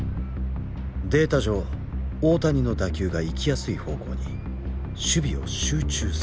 データ上大谷の打球が行きやすい方向に守備を集中された。